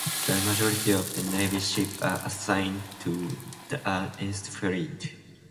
The majority of the navy's ships are assigned to the East Fleet.